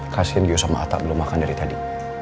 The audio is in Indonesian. kasian gio sama atta belum makan dari tadi